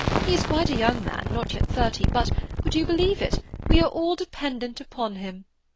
He is quite a young man, not yet thirty, but—would you believe it?—we are all dependent upon him!